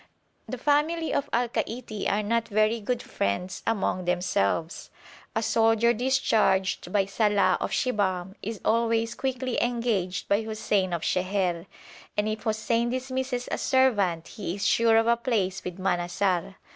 The family of Al Kaiti are not very good friends among themselves; a soldier discharged by Salàh of Shibahm is always quickly engaged by Hussein of Sheher, and if Hussein dismisses a servant he is sure of a place with Manassar.